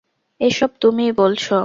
এসব তুমিই বলছ।